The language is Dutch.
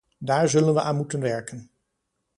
Daar zullen we aan moeten werken.